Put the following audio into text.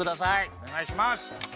おねがいします。